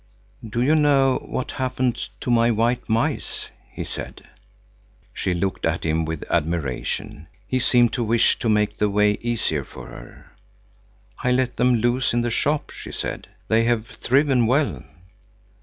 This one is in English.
"Do you know what happened to my white mice?" he said. She looked at him with admiration. He seemed to wish to make the way easier for her. "I let them loose in the shop," she said. "They have thriven well."